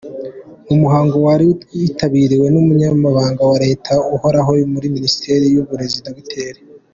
Mu muhango wari witabiriwe n’Umunyamabanga wa Leta Uhoraho muri Minisiteri y’Uburezi, Dr.